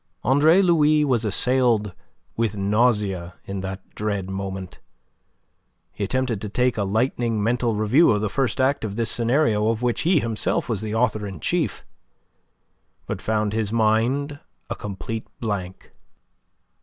Andre Louis was assailed with nausea in that dread moment. He attempted to take a lightning mental review of the first act of this scenario of which he was himself the author in chief; but found his mind a complete blank.